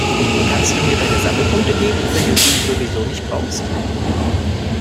Kannst du mir deine Sammelpunkte geben, wenn du sie sowieso nicht brauchst?